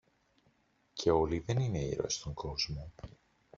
Και όλοι δεν είναι ήρωες στον κόσμο.